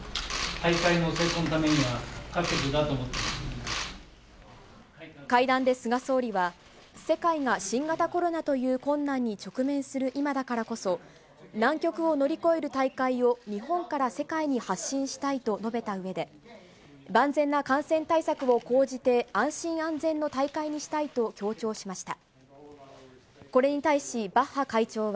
大会の成功のためには、不可欠だと思っていま会談で菅総理は、世界が新型コロナという困難に直面する今だからこそ、難局を乗り越える大会を日本から世界に発信したいと述べたうえで、万全な感染対策を講じて、安心安全の大会にしたいと強調しました。